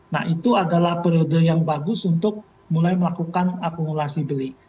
nah itu adalah periode yang bagus untuk mulai melakukan akumulasi beli